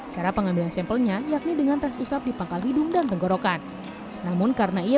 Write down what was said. cara pengambilan sampelnya yakni dengan tes usap di pangkal hidung dan tenggorokan namun karena ia